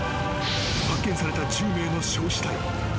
発見された１０名の焼死体。